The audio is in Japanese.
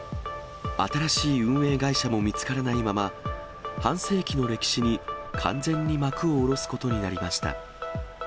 新しい運営会社も見つからないまま、半世紀の歴史に完全に幕を下ろすことになりました。